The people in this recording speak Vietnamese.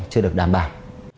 chưa được đảm bảo